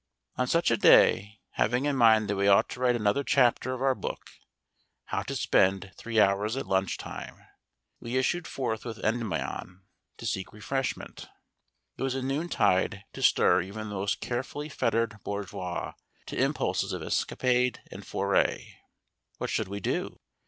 On such a day, having in mind that we ought to write another chapter of our book "How to Spend Three Hours at Lunch Time," we issued forth with Endymion to seek refreshment. It was a noontide to stir even the most carefully fettered bourgeois to impulses of escapade and foray. What should we do?